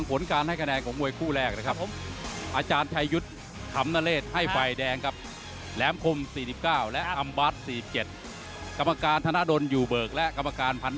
อ้วกมวยคู่แรกครับครับมาฟังผลการให้คะแนนของมวยคู่แรกนะครับ